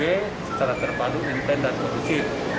secara terpadu independen dan kondusif